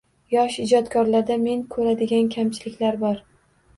Yosh ijodkorlarda men ko‘radigan kamchiliklar bor.